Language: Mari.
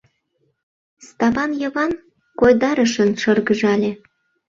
Стапан Йыван койдарышын шыргыжале.